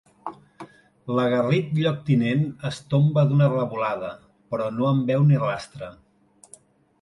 L'aguerrit lloctinent es tomba d'una revolada, però no en veu ni rastre.